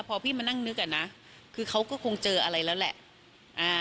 พอพี่มานั่งนึกอ่ะนะคือเขาก็คงเจออะไรแล้วแหละ